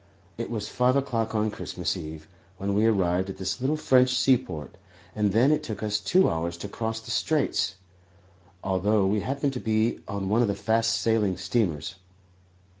It was five o'clock on Christmas Eve when we arrived at this little French seaport, and then it took us two hours to cross the straits, although we happened to be on one of the fast sailing steamers.